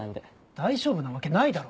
大丈夫なわけないだろ。